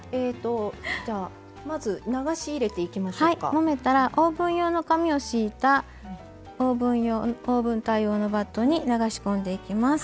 もめたらオーブン用の紙を敷いたオーブン対応のバットに流し込んでいきます。